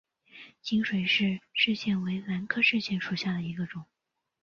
清水氏赤箭为兰科赤箭属下的一个种。